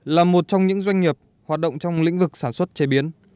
là một trong những doanh nghiệp hoạt động trong lĩnh vực sản xuất chế biến